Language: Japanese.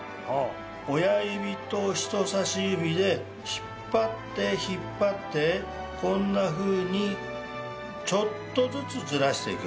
親指と人さし指で引っ張って引っ張ってこんなふうにちょっとずつずらしていくんです。